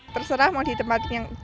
terserah mau ditempatkan yang